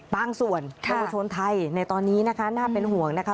บางส่วนเยาวชนไทยในตอนนี้นะคะน่าเป็นห่วงนะคะ